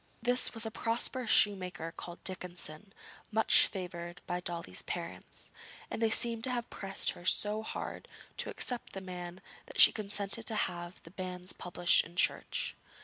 This was a prosperous shoemaker called Dickinson, much favoured by Dolly's parents, and they seemed to have pressed her so hard to accept the man that she consented to have the banns published in church.